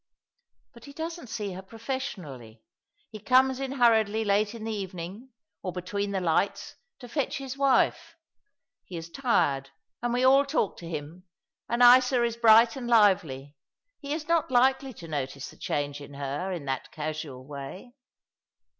"But he doesn't see her professionally. He comes in hurriedly late in the evening — or between the lights— to fetch his wife. He is tired, and we all talk to him, and Isa is bright and lively. He is not likely to notice the change in her in that casual way.'